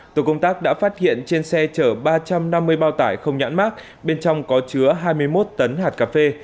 tổ công tác đã phát hiện trên xe chở ba trăm năm mươi bao tải không nhãn mát bên trong có chứa hai mươi một tấn hạt cà phê